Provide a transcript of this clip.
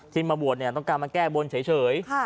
ที่มาบวชต้องการมาแก้บ้นเฉย